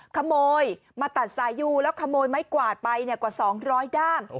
ขโมยตัดสายอยู่แล้วขโมยไม้กวาดไปกว่าสองร้อยด้าน